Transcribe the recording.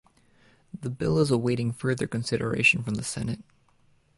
The bill is awaiting further consideration from the senate.